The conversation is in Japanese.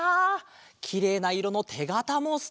きれいないろのてがたもすてきだね！